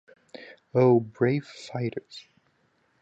Oh, brave fighters!